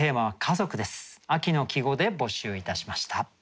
秋の季語で募集いたしました。